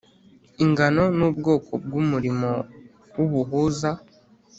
ingano n’ubwoko bw’ umurimo w’ubuhuza